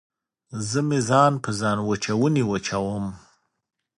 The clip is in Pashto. زه مې ځان په ځانوچوني وچوم